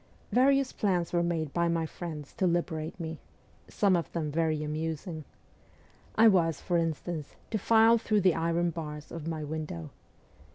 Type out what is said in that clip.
Various plans were made by my friends to liberate me some of them very amusing. I was, for instance, to file through the iron bars of my window.